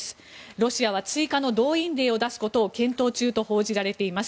ロシアは追加の動員令を出すことを検討中と報じられています。